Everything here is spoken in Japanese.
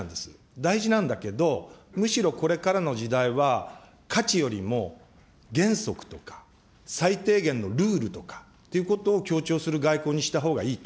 大事なんだけど、むしろこれからの時代は価値よりも原則とか、最低限のルールとかということを強調する外交にしたほうがいいと。